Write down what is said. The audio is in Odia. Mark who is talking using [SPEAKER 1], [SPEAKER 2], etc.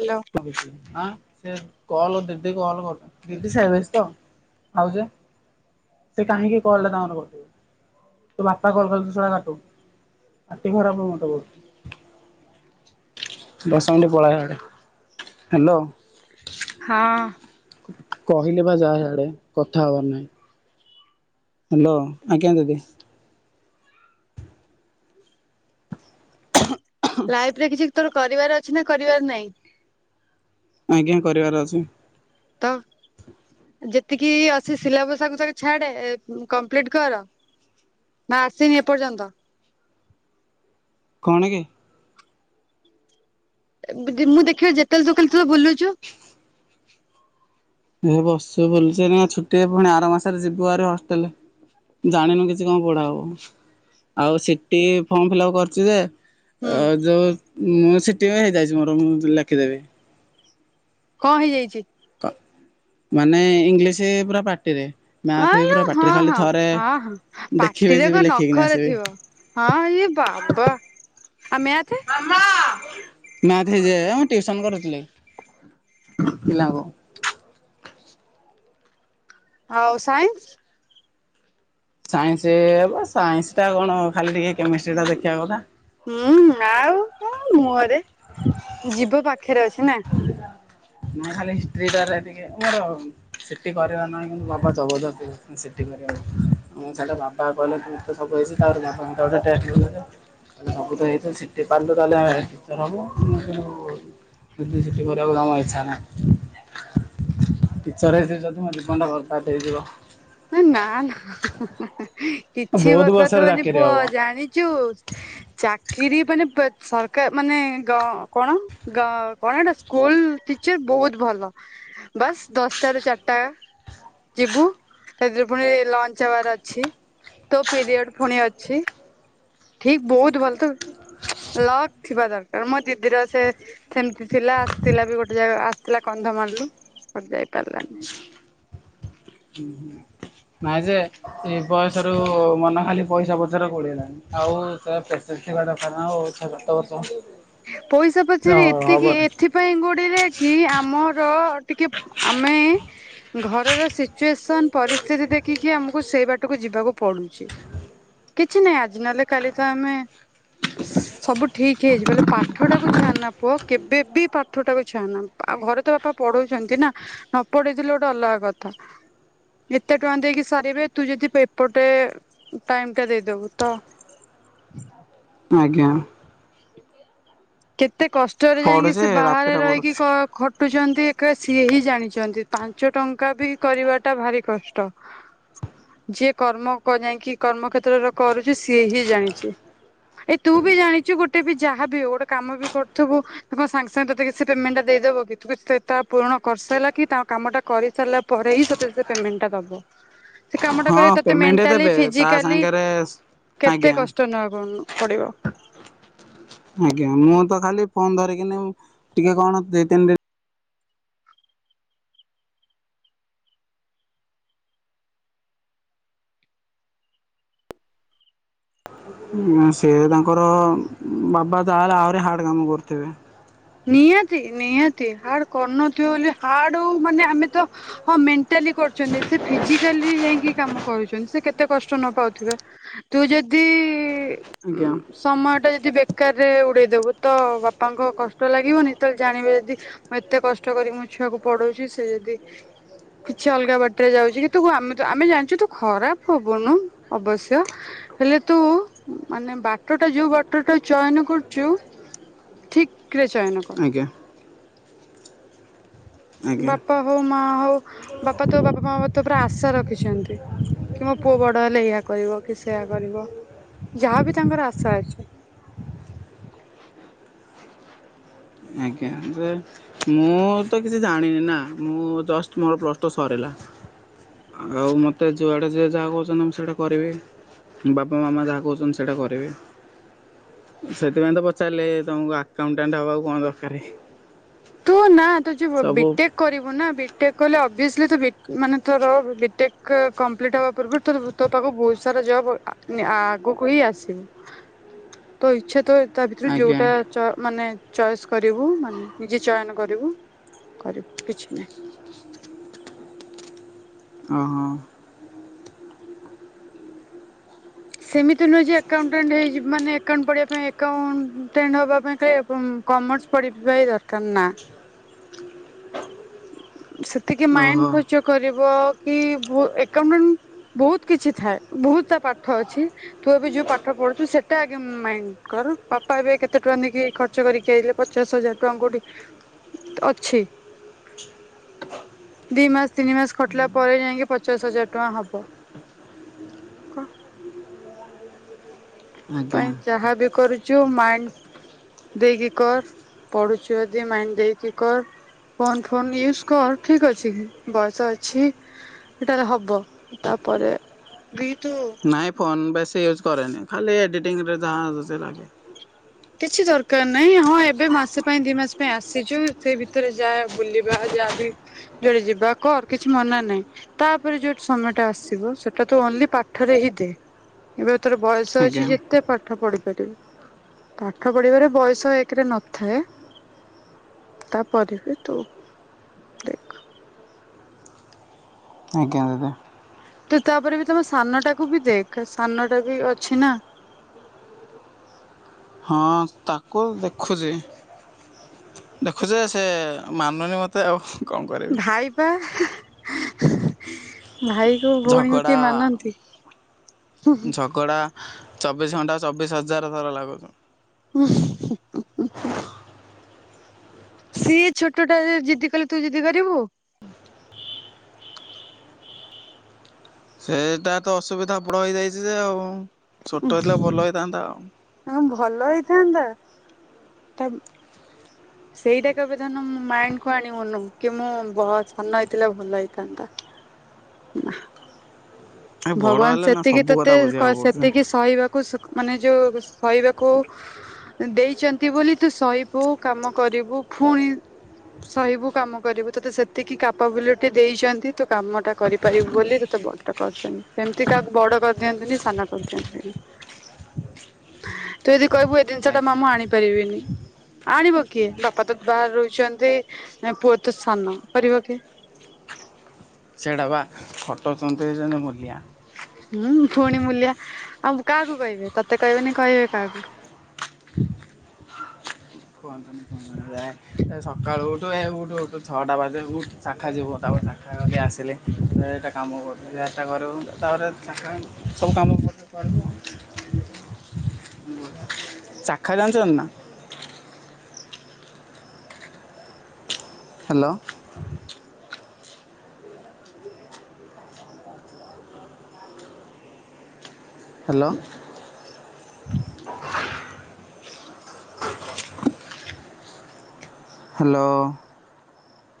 [SPEAKER 1] ହାଲୋ।
[SPEAKER 2] [unintelligible] [unintelligible] ତୋ ବାପା କଲ କରିଥିଲା ଲାଷ୍ଟ କୁ ପାଟି ଖରାପ କ ମତେ କହୁଛି। [unintelligible] ହାଲୋ।
[SPEAKER 1] ହଁ।
[SPEAKER 2] କହିଲି ବା ଯା ସାଡେ କଥା ହବାର ନାହିଁ। ହାଲୋ ଆଜ୍ଞା ଦିଦି।
[SPEAKER 1] ଲାଇଫ ରେ କିଛି ତୋର କରିବାର ଅଛି ନା କରିବାର ନାହିଁ?
[SPEAKER 2] ଆଜ୍ଞା କରିବାର ଅଛି।
[SPEAKER 1] ତ ଯେତିକି ଅଛି ସିଲାବସ ଆଗକୁ ତାକୁ ଛାଡେ ଏ କମ୍ପ୍ଲିଟ କର। ନା ଆସିନି ଏପର୍ଯ୍ୟନ୍ତ।
[SPEAKER 2] କଣ କି?
[SPEAKER 1] ଏ ବୂ ଦି ମୁଁ ଦେଖିବି ଜେତେଳେ ତୁ ଖାଲି ତୁ ତ ବୁଲୁଛୁ।
[SPEAKER 2] ଏ ବସିଚି ବୁଲୁଚି ଏନା ଛୁଟିରେ ପୁଣି ଆର ମାସରେ ଯିବୁ ଆରେ ହଷ୍ଟେଲ। ଜାଣିନୁ କିଛି କଣ ପଢା ହବ ଆଉ ସିଟି ଫର୍ମ ଫିଲପ କରିଛି ଯେ
[SPEAKER 1] ହୁଁ
[SPEAKER 2] ଅ ଯୋଉ ମୁଁ ସିଟି ପାଇଁ ହେଇ ଯାଇଛି ମୋର ମୁଁ ଯ ଲେଖିଦେମି।
[SPEAKER 1] କଂ ହେଇଯାଇଚି?
[SPEAKER 2] କ ମାନେ ଇଂଲିଶ ପୁରା ପାଟିରେ।
[SPEAKER 1] ହଁ
[SPEAKER 2] ମ୍ୟାଥ ବି
[SPEAKER 1] ଲୋ
[SPEAKER 2] ପୁରା ପାଟିରେ
[SPEAKER 1] ହଁ
[SPEAKER 2] ଖାଲି
[SPEAKER 1] ହଁ
[SPEAKER 2] ଥରେ
[SPEAKER 1] ହଁ ହଁ
[SPEAKER 2] ଦେଖିବି
[SPEAKER 1] ପାଟିରେ କଣ
[SPEAKER 2] ଯିବି ଲେଖିକିଣା
[SPEAKER 1] ନଖରେ
[SPEAKER 2] ଆସିବି।
[SPEAKER 1] ଥିବ। ହଁ ୟେ ବାବା ଆ ମ୍ୟାଥ।
[SPEAKER 2] [inaudible] ମ୍ୟାଥ ହେଇଯାଏ ହଁ ଟିଉସନ୍ କରୁଥିଲି ପିଲାଙ୍କୁ।
[SPEAKER 1] ଆଉ ସାଇନ୍ସ
[SPEAKER 2] ସାଇନ୍ସ ହେ ବା ସାଇନ୍ସ ଟା କଣ ଖାଲି ଟିକେ କେମିଷ୍ଟି ଟା ଦେଖିବା କଥା।
[SPEAKER 1] ହୁଁ ଆଉ ତୋ ମୁହଁରେ ଯିଭ ପାଖରେ ଅଛି ନା?
[SPEAKER 2] ମୁଁ ଖାଲି ହିଷ୍ଟ୍ରିଟାରେ ଟିକେ ଦୁର୍ବଳ। ସିଟି କରିବାର ନାହିଁ କିନ୍ତୁ ବାପା ଜବରଦସ୍ତି କହୁଚନ୍ତି ସିଟି କରିବାକୁ। [unintelligible] [inaudible] ସବୁ ତ ହେଇଚୁ ସିଟି ପାରିଲୁ ତାହଲେ [unintelligible] ଟିଚର ହେଇଯିବି ଯଦି ମୋ ଜୀବନଟା ବରବାଦ ହେଇଯିବ।
[SPEAKER 1] ନା ନା କିଛି
[SPEAKER 2] ବହୁତ
[SPEAKER 1] ବରବାଦ
[SPEAKER 2] ବର୍ଷରେ
[SPEAKER 1] ହବନି,
[SPEAKER 2] ଚାକିରି
[SPEAKER 1] ପୁଅ
[SPEAKER 2] ହବ।
[SPEAKER 1] ଜାଣିଚୁ ଚାକିରି ମାନେ ପେ ସରକାର ମାନେ ଗ କଣ? ଗାଁ କଣ ହେଟା ସ୍କୁଲ ଟିଚର ବହୁତ ଭଲ। ବସ୍ ଦଶଟା ରୁ ଚାରିଟା ଯିବୁ। ସେଥିରେ ପୁଣି ଲଞ୍ଚ ଆୱାର ଅଛି ତୋ ପିରିୟଡ୍ ଫୁଣି ଅଛି। ଠିକ ବହୁତ ଭଲ ତୋ ଲକ୍ ଥିବା ଦରକାର ମୋ ଦିଦିର ସେ ସେମିତି ଥିଲା ଆସିଥିଲା ବି ଗୋଟେ ଜାଗା ଆସିଥିଲା କନ୍ଧମାଳରୁ ବଟ୍ ଯାଇପାରିଲାନି।
[SPEAKER 2] ହୁଁ। ନାଇଁ ଯେ ଏ ବୟସ ରୁ ମନ ଖାଲି ପଇସା ପଛରେ ଗୋଡ଼େଇଲାଣି ଆଉ ତା ପେସେନସେ ଥିବା ଦରକାର ନା ଆଉ ଛ ସାତ ବର୍ଷ ଖଣ୍ଡେ
[SPEAKER 1] ପଇସା ପଛରେ ଏତିକି ଏଥି ଏଥି ପାଇଁ ଗୋଡେଇଲେ କି ଆମର ଟିକେ ଆମେ ଘରର ସିଚୁଏସନ ପରିସ୍ଥିତି ଦେଖିକି ଆମକୁ ସେଇ ବାଟକୁ ଯିବାକୁ ପଡୁଚି। କିଛି ନାଇ ଆଜି ନ ହେଲେ କାଲି ତ ଆମେ ସବୁ ଠିକ୍ ହେଇଯିବ। ପାଠଟାକୁ ଛାଆନା ପୁଅ କେବେ ବିି ପାଠଟାକୁ ଛା ନା ଆଉ ଘରେ ତ ବାପା ପଢ଼ଉଛନ୍ତି ନା। ନ ପଢେଇଥିଲେ ଗୋଟେ ଅଲଗା କଥା। ଏତେ ଟଙ୍କା ଦେଇକି ସାରିବେ ତୁ ଯଦି ପେପରଟେ ଟାଇମ ଟା ଦେଇଦବୁ ତ।
[SPEAKER 2] ଆଜ୍ଞା।
[SPEAKER 1] କେତେ କଷ୍ଟରେ ଯାଇକି
[SPEAKER 2] ପଢୁଛି
[SPEAKER 1] ସେ ବାହାରେ
[SPEAKER 2] ରାତିରେ
[SPEAKER 1] ରହିକି
[SPEAKER 2] ପଢୁଛି।
[SPEAKER 1] କ ଖଟୁଚନ୍ତି ଏକା ସିଏ ହିଁ ଜାଣିଚନ୍ତି ପାଞ୍ଚଟଙ୍କା ବି କରିବା ଟା ଭାରି କଷ୍ଟ। ଯିଏ କର୍ମ କ କାଇଁକି କର୍ମକ୍ଷେତ୍ର ରେ କରୁଚି ସିଏ ହିଁ ଜାଣିଚି। ଏ ତୁ ବି ଜାଣିଛୁ ଗୋଟେ ବି ଯାହାବି ହଉ ଗୋଟେ କାମ ବି କରିଥିବୁ। ତୁ କଣ ସାଙ୍ଗେ ସାଙ୍ଗେ ତତେ କିଛି ପେମେଣ୍ଟଟା ଦେଇଦେବ କି ତୁ ତା ପୂରଣ କରି ସାଇଲା କି ତାଙ୍କ କାମ ଟା କରିସାରିଲା ପରେ ହି ସେ ତତେ ପେମେଣ୍ଟଟା ଦବ। ସେ କାମ ଟା
[SPEAKER 2] ହଁ
[SPEAKER 1] କରିବା ତତେ
[SPEAKER 2] ପେମେଣ୍ଟ
[SPEAKER 1] ମେଣ୍ଟାଲି
[SPEAKER 2] ଦେବେ ତା
[SPEAKER 1] ଫିଜିକାଲି
[SPEAKER 2] ସାଙ୍ଗରେ
[SPEAKER 1] କେତେ
[SPEAKER 2] ଆଜ୍ଞା
[SPEAKER 1] କଷ୍ଟ ନ ନବାକୁ ପଡିବ।
[SPEAKER 2] ଆଜ୍ଞା ମୁଁ ତ ଖାଲି ଫୋନ୍ ଧରିକିନି ଟିକେ କଣ ଦି ତିନି ଦିନି - ସିଏ ତାଙ୍କର ବାବା ତାହେଲେ ଆହୁରି ହାର୍ଡ କାମ କରୁଥିବେ।
[SPEAKER 1] ନିହାତି ନିହାତି ହାର୍ଡ କରୁନଥିବେ ବୋଲି ହାର୍ଡ ହଉ ମାନେ ଆମେ ତ। ହଁ ମେଣ୍ଟାଲି କରୁଛନ୍ତି ସେ ଫିଜିକାଲି ଯାଇକି କାମ କରୁଛନ୍ତି ସେ କେତେ କେତେ କଷ୍ଟ ନ ପାଉଥିବେ ତୁ ଯଦି ଉଁ
[SPEAKER 2] ଆଜ୍ଞା।
[SPEAKER 1] ସମୟ ଟା ଯଦି ବେକାରରେ ଉଡେଇଦବୁ ତ ବାପାଙ୍କ କଷ୍ଟ ଲାଗିବନି ତ ଜାଣିବେ ଯଦି ମୁଁ ଏତେ କଷ୍ଟ କରିକି ମୋ ଛୁଆକୁ ପଢଉଛି ସେ ଯଦି କିଛି ଅଲଗା ବାଟରେ ଯାଉଛି କିନ୍ତୁ ଆମେ ଆମେ ଜାଣିଛୁ ତୁ ଖରାପ ହବୁନୁ ଅବଶ୍ୟ ହେଲେ ତୁ ମାନେ ବାଟ ଟା ଯୋଉ ବାଟ ଟା ଚୟନ କରିଚୁ ଠିକରେ ଚୟନ କର।
[SPEAKER 2] ଆଜ୍ଞା। ଆଜ୍ଞା।
[SPEAKER 1] ବାପା ହଉ ମା ହଉ ବାପା ତୋ ବାପା ମାଆ ତୋ ଉପରେ ଆଶା ରଖିଛନ୍ତି କି ମୋ ପୁଅ ବଡ ହେଲେ ଏଇଆ କରିବ କି ସେଇଆ କରିବ। ଯାହାବି ତାଙ୍କର ଆଶା ଅଛି।
[SPEAKER 2] ଆଜ୍ଞା ବେ ମୁଁ ତ କିଛି ଜାଣିନି ନା ମୁଁ ଜଷ୍ଟ ମୋର ପ୍ଲସ୍ ଟୁ ସରିଲା। ଆଉ ମତେ ଯୁଆଡେ ଯିଏ ଯାହା କହୁଛନ୍ତି ମୁଁ ସେଇଟା କରିବି। ବାପା ମାମା ଯାହା କହୁଛନ୍ତି ସେଇଟା କରିବି। ସେଥିପାଇଁ ତ ପଚାରିଲି ତମୁକୁ ଆକାଉଣ୍ଟଟାଣ୍ଟ ହେବାକୁ କଣ ଦକାରେ।
[SPEAKER 1] ତୁ ନାଁ ତୁ ହୋଉଚି ଅ ବିଟେ କରିବୁ ନା ବିଟେକ୍ କଲେ ଅଭିଅସ୍ଲି ତୁ ବି ମାନେ ତୋର ବି ଟେକ୍ କଂପ୍ଲିଟ୍ ହବା ପୂର୍ବୁରୁ ତୋର ତୋ ପାଖକୁ ବୋହୁତ ସାରା ଜବ୍ ଆ ନି ଆଗୁକୁ ହି ଆସିବ ତୋ ଇଚ୍ଛା ତୋ ତା ଭିତୁରୁ
[SPEAKER 2] ଆଜ୍ଞା
[SPEAKER 1] ଯୋଉଟା ଚ ମାନେ ଚଏସ୍ କରିବୁ ମାନେ ନିଜେ ଚୟନ କରିବୁ କରି କିଛି ନାହିଁ।
[SPEAKER 2] ଅହ।
[SPEAKER 1] ସେମିତି ନୁହଁ ଯେ ଆକାଉଣ୍ଟଟାଣ୍ଟ୍ ହେଇଯିବୁ ମାନେ ଆକାଉଣ୍ଟ ପଢ଼ିବା ପାଇଁ ଆକାଉଣ୍ଟଟାଣ୍ଟ୍ ହବା ପାଇଁ କାଇଆପୁଁ କମର୍ସ ପଢିି଼ବା ହି ଦରକାର ନା। ସେତିକି ମାଇଣ୍ଡ୍
[SPEAKER 2] ଓହୋ
[SPEAKER 1] ଖର୍ଚ୍ଚ କରିବ କି ଭୁ ଆକାଉଣ୍ଟଟାଣ୍ଟ୍ ବହୁତ କିଛି ଥାଏ ବହୁତ ତା ପାଠ ଅଛି। ତୁ ଏବେ ଯୋଉ ପାଠ ପଢ଼ୁଚୁ ସେଟା ଆଗେ ମାଇଁ କର ବାପା ଏବେ କେତେ ଟଙ୍କା ନେଇକି ଖ ର୍ଚ୍ଚ କରିକି ଆଇଲେ ପଚାଶ ହଜାର ଟଙ୍କା କୋଉଠି ଅଛି? ଦି ମାସ ତିନି ମାସ ଖଟିଲା ପରେ ଯାଇଁକି ପଚାଶ ହଜାର ଟଙ୍କା ହବ। କଣ ତୁ
[SPEAKER 2] ଆଜ୍ଞା।
[SPEAKER 1] ପାଇଁ ଯାହା ବି କରୁଚୁ ମାଇନ୍ ଦେଇକି କର ପଢ଼ୁଚୁ ଯଦି ମାଇନ୍ ଦେଇକି କର। ଫୋନ୍ ଫୋନ୍ ୟୁଜ କର ଠିକ୍ ଅଛି ବୟସ ଅଛି ହେଟାରେ ହବ ତାପରେ ବି ତୁ
[SPEAKER 2] ନାଇଁ ଫୋନ୍ ବେଶୀ ୟୁଜ୍ କରେନି ଖାଲି ଏଡ଼ିଟିଂରେ ଯାହା ଦୁ ସେ ଲାଗେ।
[SPEAKER 1] କିଛି ଦରକାର ନାହିଁ ହଁ ଏବେ ମାସେ ପାଇଁ ଦି ମାସ ପାଇଁ ଆସିଚୁ ସେ ଭିତରେ ଯାହା ବୁଲିବା ଯାହା ବି ଯୁଆଡ଼େ ଯିବା କର କିଛି ମନା ନାହିଁ। ତାପରେ ଯୋଉ ସମୟଟା ଆସିବ ସେଟା ତୁ ଓନ୍ଲି ପାଠରେ ହିଁ ଦେ ଏବେ ତୋର ବୟସ୍ ସ
[SPEAKER 2] ଆଜ୍ଞା
[SPEAKER 1] ଅଛି ଯେତେ ପାଠ ପଢି ପାରିବୁ। ପାଠ ପଢ଼ିବାରେ ବୟସ ଏକରେ ନଥାଏ। ତାପରେ ବି ତୁ ଦେଖ୍।
[SPEAKER 2] ଆଜ୍ଞା ଦିଦି।
[SPEAKER 1] ତୁ ତାପରେ ବି ତମ ସାନଟାକୁ ବି ଦେଖେ ସାନଟା ବି ଅଛି ନା।
[SPEAKER 2] ହଁ ତାକୁ ଆଉ ଦେଖୁଚି। ଦେଖୁଚି ଯେ ସେ ମାନୁନି ମତେ ଆଉ। କଣ କରିବି
[SPEAKER 1] ଭାଇ ପା ଭାଇ। ଲୋ ଭଉଣୀକୁ କିଏ
[SPEAKER 2] ଝଗଡ଼ା
[SPEAKER 1] ମାନନ୍ତି?
[SPEAKER 2] କଡ଼ା ଚବିଶ ଘଣ୍ଟା ଚବିଶ ହଜାର ଥର ଲାଗୁଚୁ।
[SPEAKER 1] ଉଁ ହୁଁ। ସିଏ ଛୋଟଟା ଯେ ଜିଦି କଲେ ତୁ ଜିଦି କରିବୁ?
[SPEAKER 2] ସେଟା ତ ଅସୁବିଧା ବଡ଼ ହେଇଯାଇଚି ଯେ ଆଉ ଛୋଟ ହେଇଥିଲା ଭଲ ହେଇଥାନ୍ତା।
[SPEAKER 1] ଆଉଁ ଭଲ ହେଇଥାନ୍ତା ଟା ସେଇଟା କବେ ଧନ ମାଇଣ୍ଡ୍ କୁ ଆଣିବୁନୁ କି ମୁଁ ବ ସାନ ହେଇଥିଲେ ଭଲ ହେଇଥାନ୍ତା। ନାଁ।
[SPEAKER 2] ଏ ବଡ଼
[SPEAKER 1] ଭଗବାନ
[SPEAKER 2] ହେଲେ ନା
[SPEAKER 1] ସେତିକି
[SPEAKER 2] ସବୁ
[SPEAKER 1] ତତେ
[SPEAKER 2] କଥା
[SPEAKER 1] କ
[SPEAKER 2] ବୁଝିବାକୁ ପଡୁଛି।
[SPEAKER 1] ସେତିକି ସହିବାକୁ ସୁକ୍ ମାନେ ଯୋଉ ସହିବାକୁ ଦେଇଚନ୍ତି ବୋଲି ତୁ ସହିିବୁ କାମ କରିବୁ ଫୁଣି ସହିବୁ କାମ କରିବୁ ତୋତେ ସେତିକି କାପାବିଲିଟି ଦେଇଚନ୍ତି ତୁ କାମଟା କରିପାରିବୁ ବୋଲି ଦୁ ତେ ବଡ଼ କରିଚନ୍ତି ସେମତି କାହାକୁ ବଡ଼ କରିଦିଅନ୍ତିନି ସାନ କରିଦିଅନ୍ତିନି। ତୁ ଯଦି କହିବୁ ଏ ଦିନିଷଟା ମା
[SPEAKER 2] ଆଜ୍ଞା
[SPEAKER 1] ମୁଁ ଆଣିପାରିବିନି। ଆଣିବ କିଏ ବାପା ତ ବାହାରେ ରହୁଚନ୍ତି ଏଁ ପୁଅ ତ ସାନ କରିବ କିଏ?
[SPEAKER 2] ସେଇଟା ପା ଖଟଉଚନ୍ତି ଯେମତି ମୂଲିଆ।
[SPEAKER 1] ଉଁ ଫୁଣି ମୂଲିଆ, ଆଉ କାହାକୁ କହିବେ ତତେ କହିବେନି କହିବେ କାହାକୁ?
[SPEAKER 2] କୁହନ୍ତୁନି, କୁହନ୍ତୁନି, ଯାହା ଏଇ ସକାଳୁ ଉଠୁ, ଏଇ ଉଠୁ ଉଠୁ ଛଅଟା ବାଜିଲାଣି ଉଠୁ, ଶାଖା ଯିବୁ, ତାପରେ ଶାଖା ଗଲି ଆସିଲି ଏଇଟା କାମ କରିବ, ଯଟା କରିବୁ, ତାପରେ ସବୁ କାମ କରିବୁ ଆ ଚାଖା ଜାଣିଚନ୍ତି ନା? ହାଲୋ। ହାଲୋ। ହାଲୋ।